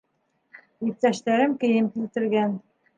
Иптәштәрем кейем килтергән.